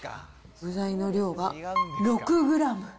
具材の量が６グラム。